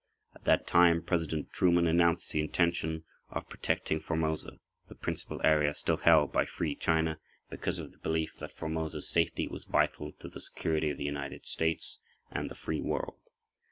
At that time President Truman announced the intention of protecting Formosa, the principal area still held by Free China, [pg 10]because of the belief that Formosa's safety was vital to the security of the United States and the free world.